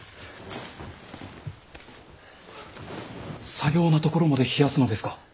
さようなところまで冷やすのですか？